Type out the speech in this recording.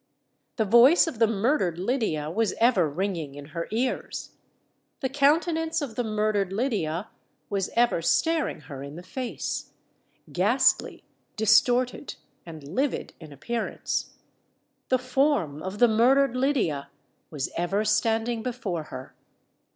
The voice of the murdered Lydia was ever ringing in her ears;—the countenance of the murdered Lydia was ever staring her in the face—ghastly, distorted, and livid in appearance;—the form of the murdered Lydia was ever standing before her!